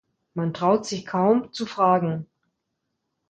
Man traut sich kaum zu fragen.